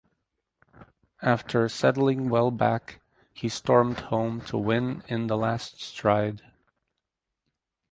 After settling well back he stormed home to win in the last stride.